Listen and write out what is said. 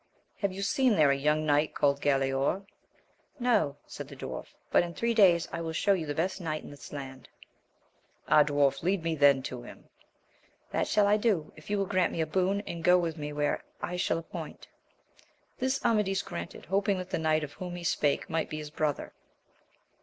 — Have you seen there a young knight called Galaor? No, said the dwarf, but in three days I will show you the best knight in this land. — Ah, dwarf, lead me then to him. — That shall I do, if you will grant me a boon, and go with me where I shall appoint. This Amadis granted, hoping that the knight of whom he spake might be his brother.